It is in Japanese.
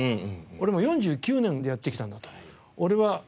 俺もう４９年もやってきたんだと。